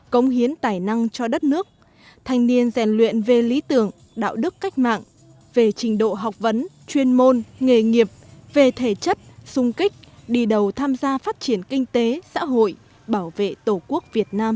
công hiến tài năng cho đất nước thanh niên rèn luyện về lý tưởng đạo đức cách mạng về trình độ học vấn chuyên môn nghề nghiệp về thể chất sung kích đi đầu tham gia phát triển kinh tế xã hội bảo vệ tổ quốc việt nam